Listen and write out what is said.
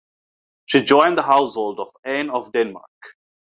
She joined the household of Anne of Denmark.